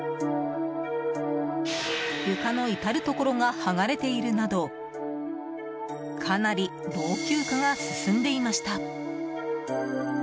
床の至るところが剥がれているなどかなり老朽化が進んでいました。